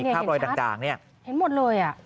ใช่นี่เห็นชัดเห็นหมดเลย